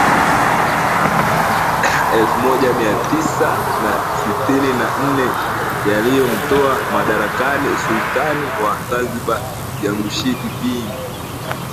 Elfu moja mia tisa na sitini na nne yaliyomtoa madarakani sultani wa Zanzibar Jamshid bin